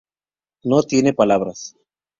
No tiene palabras.